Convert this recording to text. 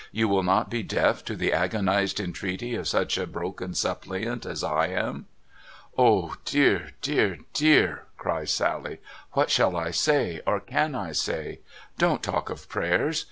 ' You will not be deaf to the agonised entreaty of such a broken suppliant as I am ?'' O dear, dear, dear !' cries Sally. ' What shall I say, or can I say ! Don't talk of prayers.